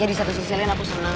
di satu sisi lain aku senang